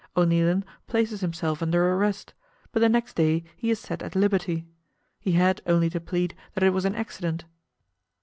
O'Neilan places himself under arrest, but the next day he is set at liberty. He had only to plead that it was an accident.